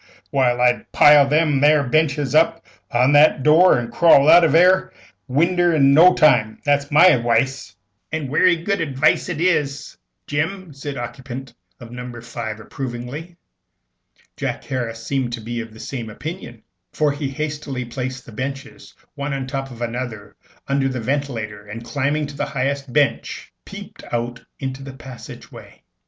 Why, I'd pile them 'ere benches up agin that 'ere door, an' crawl out of that 'erc winder in no time. That's my adwice." "And werry good adwice it is, Jim," said the occupant of No. 5, approvingly. Jack Harris seemed to be of the same opinion, for he hastily placed the benches one on the top of another under the ventilator, and, climbing up on the highest bench, peeped out into the passage way.